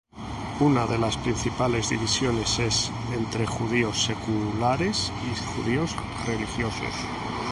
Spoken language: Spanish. Una de las principales divisiones es entre judíos seculares y judíos religiosos.